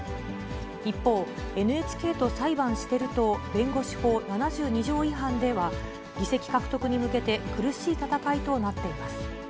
一方、ＮＨＫと裁判してる党弁護士法７２条違反では、議席獲得に向けて、苦しい戦いとなっています。